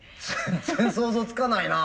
全然想像つかないな。